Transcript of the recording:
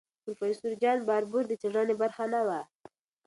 پروفیسور جان باربور د څېړنې برخه نه وه.